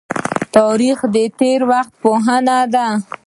تاریخ د تیر وخت پوهنه ده